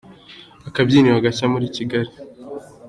Akabyiniro gashya muri Kigali